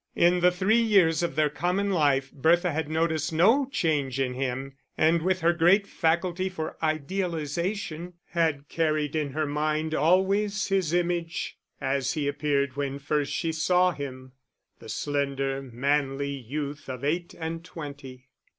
In the three years of their common life Bertha had noticed no change in him, and with her great faculty for idealisation, had carried in her mind always his image, as he appeared when first she saw him, the slender, manly youth of eight and twenty.